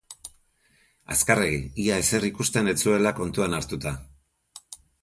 Azkarregi, ia ezer ikusten ez zuela kontuan hartuta.